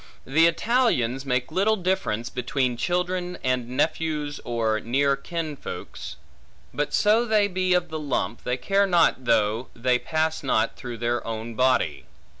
The Italians make little difference between children, and nephews or near kinsfolks; but so they be of the lump, they care not though they pass not through their own body.